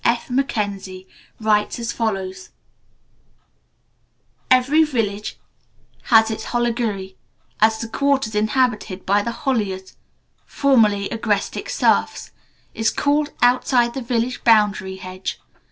S. F. Mackenzie writes as follows: "Every village has its Holigiri as the quarters inhabited by the Holiars (formerly agrestic serfs) is called outside the village boundary hedge.